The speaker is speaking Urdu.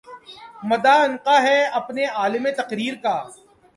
مدعا عنقا ہے اپنے عالم تقریر کا